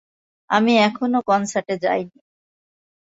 আমি কখনো কনসার্টে যাইনি।